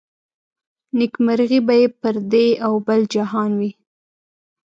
نيکمرغي به يې پر دې او بل جهان وي